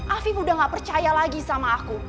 afif udah gak percaya lagi sama aku